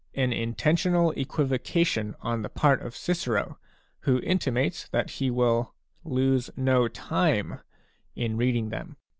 6 An intentional equivocation on the part of Cicero, who intimates that he will " lose no time " in reading them.